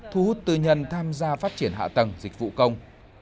thu hút tư nhân tham gia phát triển hạ tầng dịch vụ công